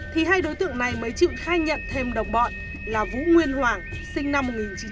thì hai đối tượng này mới chịu khai nhận thêm đồng bọn là vũ nguyên hoàng sinh năm một nghìn chín trăm bảy mươi